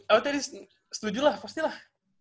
oh tadi setuju lah pasti lah